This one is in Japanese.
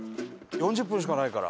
４０分しかないから。